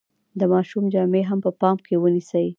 د ماشوم جامې هم په پام کې ونیسئ.